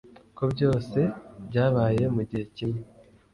Ko byose byabaye mugihe kimwe